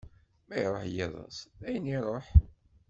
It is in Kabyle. Ma iruḥ yiḍes, dayen iruḥ!